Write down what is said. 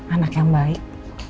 anak yang baik